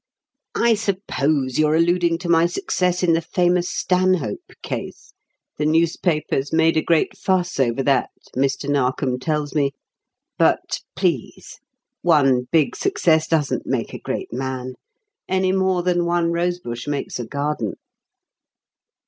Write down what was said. "I suppose you are alluding to my success in the famous Stanhope Case the newspapers made a great fuss over that, Mr. Narkom tells me. But please. One big success doesn't make a 'great man' any more than one rosebush makes a garden."